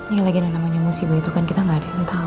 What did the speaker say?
ini lagi ada namanya musibah itu kan kita gak ada yang tahu